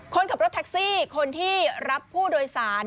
คนขับรถแท็กซี่คนที่รับผู้โดยสาร